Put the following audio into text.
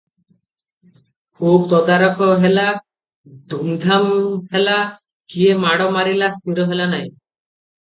ଖୁବ୍ ତଦାରଖ ହେଲା, ଧୂମଧାମ ହେଲା, କିଏ ମାଡ଼ ମାରିଲା ସ୍ଥିର ହେଲା ନାହିଁ ।